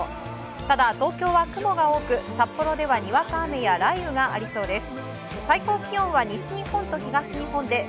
ただ、東京は雲が多く札幌ではにわか雨や雷雨がありそうです。